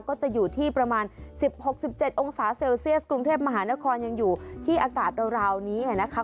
ก็จะอยู่ที่ประมาณ๑๖๑๗องศาเซลเซียสกรุงเทพมหานครยังอยู่ที่อากาศราวนี้นะคะ